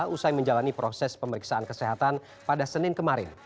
usai menjalani proses pemeriksaan kesehatan pada senin kemarin